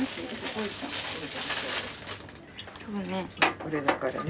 これだからね。